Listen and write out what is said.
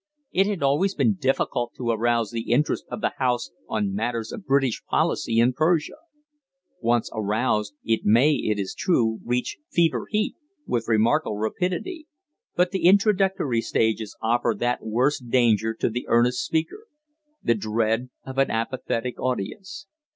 It has always been difficult to arouse the interest of the House on matters of British policy in Persia. Once aroused, it may, it is true, reach fever heat with remarkable rapidity, but the introductory stages offer that worst danger to the earnest speaker the dread of an apathetic audience.